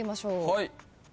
はい。